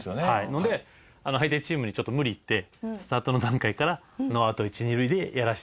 ので相手チームにちょっと無理言ってスタートの段階からノーアウト一二塁でやらせてくれと。